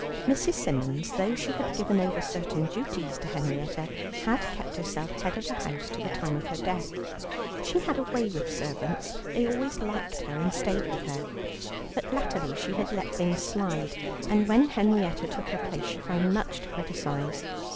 Mrs. Symons, though she had given over certain duties to Henrietta, had kept herself head of the house to the time of her death. She had a way with servants: they always liked her, and stayed with her; but latterly she had let things slide, and when Henrietta took her place she found much to criticize.